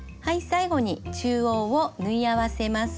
最後に中央を縫い合わせます。